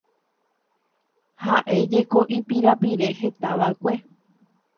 Ha'éjeko ipirapire hetava'ekue.